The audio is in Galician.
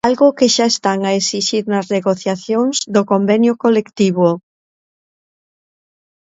Algo que xa están a exixir nas negociacións do convenio colectivo.